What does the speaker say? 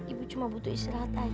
ibu cuma butuh istirahat aja